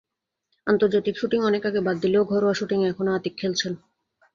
আন্তর্জাতিক শ্যুটিং অনেক আগে বাদ দিলেও ঘরোয়া শ্যুটিংয়ে এখনো আতিক খেলছেন।